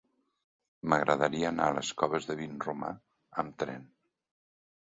M'agradaria anar a les Coves de Vinromà amb tren.